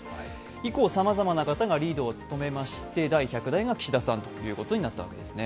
以降、さまざまな方がリードを務めまして第１００代が岸田さんということになったわけですね。